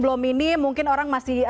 belum ini mungkin orang masih